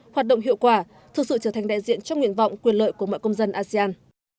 hoạt động hiệu quả thực sự trở thành đại diện trong nguyện vọng quyền lợi của mọi công dân asean